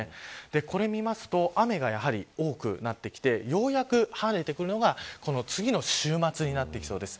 これを見ると雨が、やはり多くなってきてようやく晴れてくるのがこの次の週末になってきそうです。